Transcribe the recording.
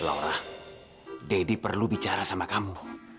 laura deddy perlu bicara sama kamu